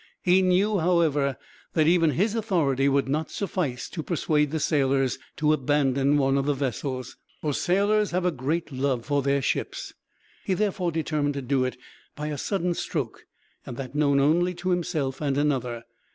He knew, however, that even his authority would not suffice to persuade the sailors to abandon one of the vessels, for sailors have a great love for their ships. He therefore determined to do it by a sudden stroke, and that known only to himself and another.